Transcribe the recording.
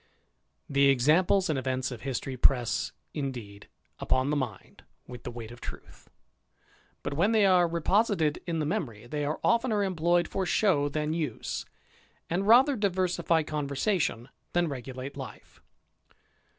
The examples and events of history press, indeed, upon the mind with the weight of truth; but when they are reposited in the memory, they are oftener employed for show than use, and rather diversify conversation than regulate life.